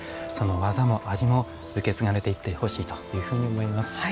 その技も味も受け継がれていってほしいというふうに思います。